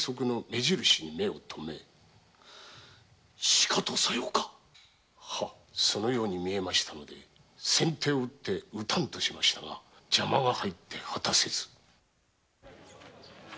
しかとさようかそのように見えましたので先手を打って討たんとしましたが邪魔が入って果たせず。